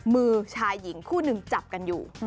มือชายหญิงคู่หนึ่งจับกันอยู่